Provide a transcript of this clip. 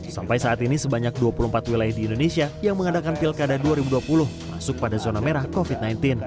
sampai saat ini sebanyak dua puluh empat wilayah di indonesia yang mengadakan pilkada dua ribu dua puluh masuk pada zona merah covid sembilan belas